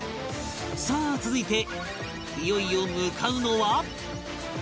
さあ続いていよいよ向かうのは